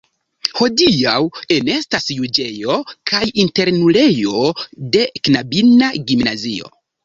Hodiaŭ enestas juĝejo kaj internulejo de knabina gimnazio.